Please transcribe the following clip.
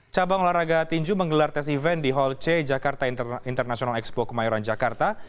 cabang olahraga tinju menggelar tes event di hall c jakarta international expo kemayoran jakarta